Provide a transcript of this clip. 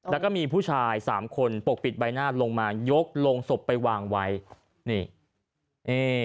แล้วก็มีผู้ชายสามคนปกปิดใบหน้าลงมายกโรงศพไปวางไว้นี่นี่